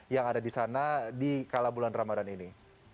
yang ada di sana di kala bulan ramadhan ini